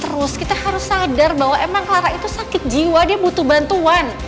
terus kita harus sadar bahwa emang clara itu sakit jiwa dia butuh bantuan